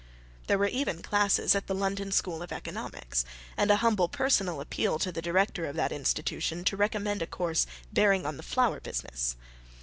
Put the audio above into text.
There were even classes at the London School of Economics, and a humble personal appeal to the director of that institution to recommend a course bearing on the flower business.